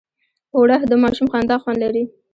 اوړه د ماشوم خندا خوند لري